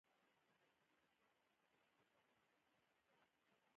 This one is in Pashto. له خلکو سره داسي چلند کوئ؛ لکه له ځان سره چې کوى.